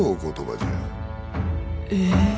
え？